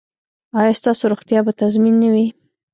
ایا ستاسو روغتیا به تضمین نه وي؟